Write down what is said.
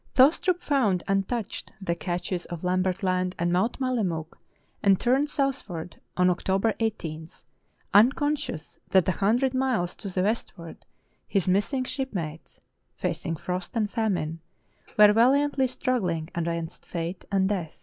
Thostrup found untouched the caches of Lambert Land and Mount Mallemuk, and turned southward on October 18, unconscious that a hundred miles to the westward his missing shipmates, facing frost and famine, were valiantly struggling against fate and death.